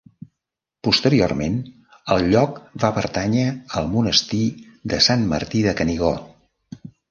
Posteriorment el lloc va pertànyer al Monestir de Sant Martí de Canigó.